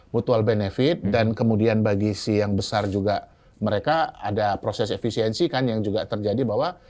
mutual benefit dan kemudian bagi si yang besar juga mereka ada proses efisiensi kan yang juga terjadi bahwa